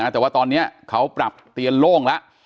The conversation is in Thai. แต่ว่าตอนนี้เขาปรับเตียนโล่งแล้ว